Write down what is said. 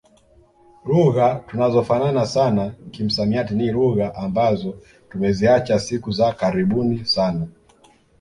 Lugha tunazofanana sana kimsamiati ni lugha ambazo tumeziacha siku za karibuni sana